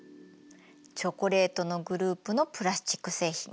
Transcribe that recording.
チョコレートのグループのプラスチック製品。